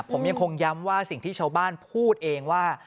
ผมยังคงย้ำว่าสิ่งที่ชาวบ้านพูดเองว่า